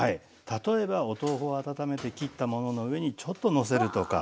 例えばお豆腐を温めて切ったものの上にちょっとのせるとか。